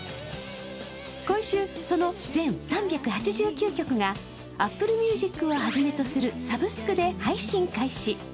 今週、その全３８０曲がＡｐｐｌｅＭｕｓｉｃをはじめとするサブスクで配信開始。